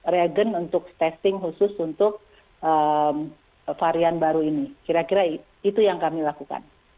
reagen untuk testing khusus untuk varian baru ini kira kira itu yang kami lakukan